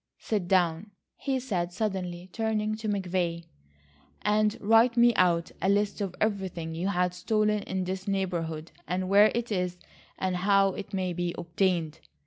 "Sit down," he said suddenly turning to McVay, "and write me out a list of everything you have stolen in this neighbourhood and where it is and how it may be obtained.